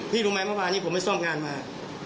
รู้ไหมเมื่อวานนี้ผมไปซ่อมงานมา